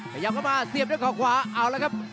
ขยับเข้ามาเสียบด้วยเขาขวาเอาละครับ